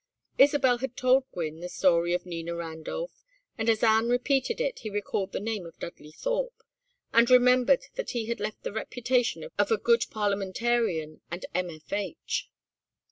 Isabel had told Gwynne the story of Nina Randolph, and as Anne repeated it he recalled the name of Dudley Thorpe, and remembered that he had left the reputation of a good parliamentarian and M. F. H.